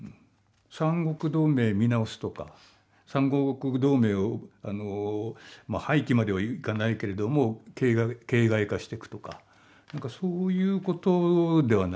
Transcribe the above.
三国同盟を見直すとか三国同盟をまあ廃棄まではいかないけれども形骸化していくとかそういうことではないですかね。